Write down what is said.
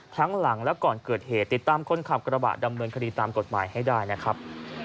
หลังและก่อนเกิดเหตุติดตามคนขับกระบะดำเนินคดีตามกฎหมายให้ได้นะครับ